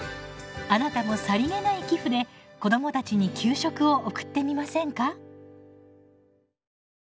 あなたもさりげない寄付で子どもたちに給食を送ってみませんか？